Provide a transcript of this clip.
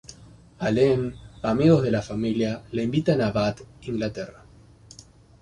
Allen, amigos de la familia, la invitan a Bath, Inglaterra.